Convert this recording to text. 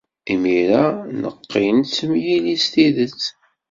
Imir-a, neqqel nettemyili s tidet.